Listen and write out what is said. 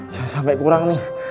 jangan sampe kurang nih